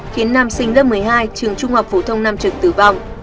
khiến nam sinh lớp một mươi hai trường trung học phổ thông nam trường tử vong